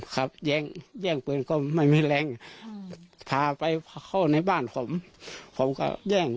ครับแย่งแย่งปืนก็ไม่มีแรงพาไปเข้าในบ้านผมผมก็แย่ง